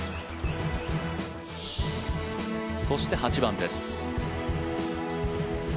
そして、８番です。